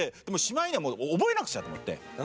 でもしまいには覚えなくちゃと思って。